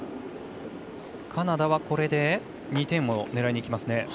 カナダはこれで２点を狙いにきますね。